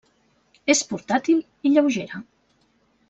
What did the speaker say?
És portàtil i lleugera.